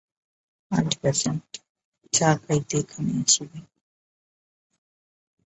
আজও বেস্যাণ্ট চা খাইতে এখানে আসিবে।